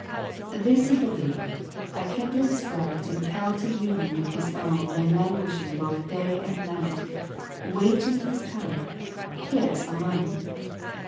This he believed : a kindred sprite Impelled to union with his own Lay languishing both day and night — Waiting his coming — his alone